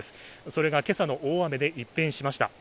それが今朝の大雨で一遍しました。